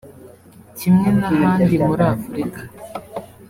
Kimwe n’ahandi muri Afurika